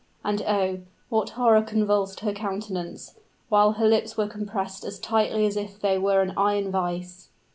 And oh! what horror convulsed her countenance while her lips were compressed as tightly as if they were an iron vise.